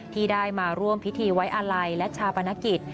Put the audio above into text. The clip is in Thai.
ที่ได้มาร่วมพิธีไว้อาลัยและชาปนกิจ